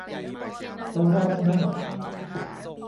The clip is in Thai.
จะรอดมะ